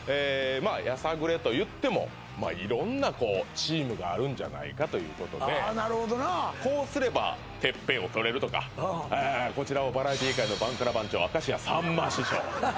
まあやさぐれといってもまあ色んなこうチームがあるんじゃないかということでああなるほどなこうすればてっぺんを取れるとかこちらをバラエティー界のバンカラ番長明石家さんま師匠